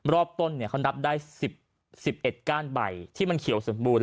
รอบต้นเขานับได้๑๑ก้านใบที่มันเขียวสมบูรณ